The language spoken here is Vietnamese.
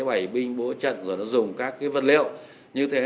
bảy binh bố trận rồi nó dùng các cái vật liệu như thế